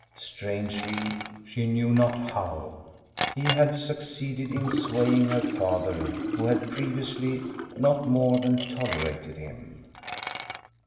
Strangely, she knew not how, he had succeeded in swaying her father, who had previously not more than tolerated him.